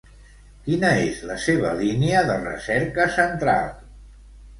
Quina és la seva línia de recerca central?